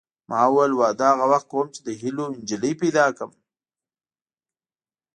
ما ویل واده هغه وخت کوم چې د هیلو نجلۍ پیدا کړم